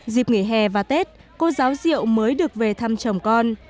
dịp nghỉ hè và tết cô giáo diệu mới được về thăm chồng con